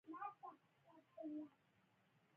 زه ستا سره مینه کوم